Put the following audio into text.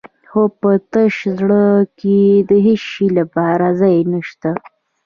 خو په تش زړه کې د هېڅ شي لپاره ځای نه شته.